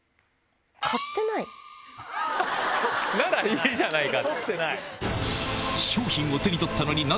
ならいいじゃないか。